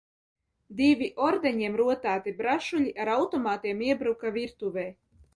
"Divi ordeņiem rotāti "brašuļi" ar automātiem iebruka virtuvē."